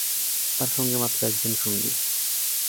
তার সঙ্গে মাত্র একজন সঙ্গী।